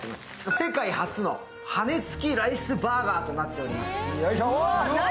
世界初の羽根つきライスバーガーとなっておりますよいしょ！